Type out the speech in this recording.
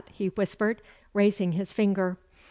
he whispered, raising his finger.